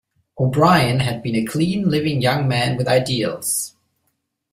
O'Brien had been a clean living young man with ideals.